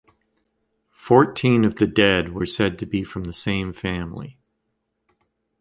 Fourteen of the dead were said to be from the same family.